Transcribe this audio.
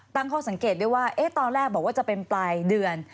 ตั้งข้อสังเกตด้วยว่าตอนแรกบอกว่าจะเป็นปลายเดือน